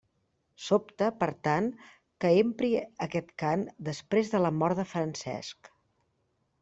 Sobta, per tant, que empri aquest cant després de la mort de Francesc.